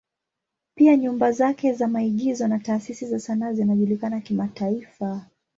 Pia nyumba zake za maigizo na taasisi za sanaa zinajulikana kimataifa.